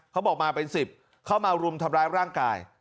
เขาบอกมาเป็น๑๐เข้ามารุมทำร้ายร่างกาย